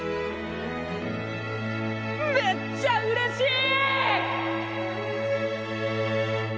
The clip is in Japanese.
めっちゃうれしい！